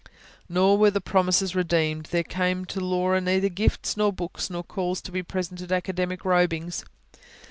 Nor were the promises redeemed: there came to Laura neither gifts of books nor calls to be present at academic robings.